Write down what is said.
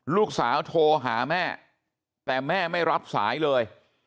ลูกสาวโทรหาแม่แต่แม่ไม่รับสายเลย